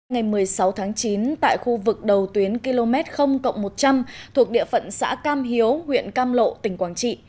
ngày một mươi sáu tháng chín tại khu vực đầu tuyến km một trăm linh thuộc địa phận xã cam hiếu huyện cam lộ tỉnh quảng trị